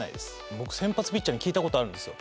僕先発ピッチャーに聞いた事あるんですよ。